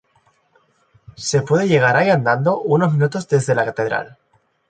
Se puede llegar ahí andando unos minutos desde la Catedral.